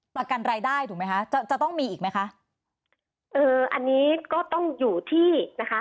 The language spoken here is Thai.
ประกันรายได้ถูกไหมคะจะจะต้องมีอีกไหมคะเอ่ออันนี้ก็ต้องอยู่ที่นะคะ